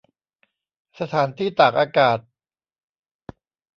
สถานที่ตากอากาศ